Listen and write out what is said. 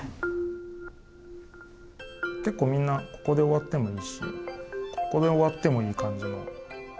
結構みんなここで終わってもいいしここで終わってもいい感じの。